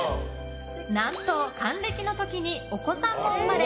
何と還暦の時にお子さんも生まれ